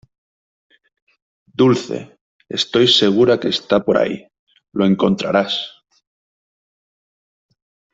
Dulce, estoy segura que está por ahí. Lo encontrarás .